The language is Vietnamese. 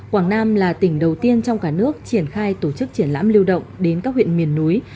quảng nam là tỉnh đầu tiên trong cả nước triển khai tổ chức triển lãm lưu động đến các huyện miền núi